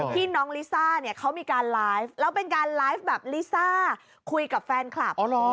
ที่น้องลิซ่าเนี่ยเขามีการไลฟ์แล้วเป็นการไลฟ์แบบลิซ่าคุยกับแฟนคลับ